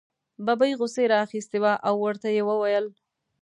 ببۍ غوسې را اخیستې وه او ورته یې وویل.